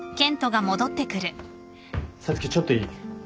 皐月ちょっといい？